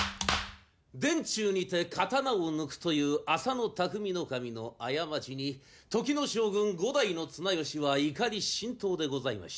殿中にて刀を抜くという浅野内匠頭の過ちに時の将軍五代の綱吉は怒り心頭でございました。